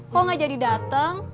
kok gak jadi dateng